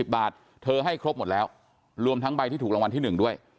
บาทเธอให้ครบหมดแล้วรวมทั้งใบที่ถูกรางวัลที่๑ด้วย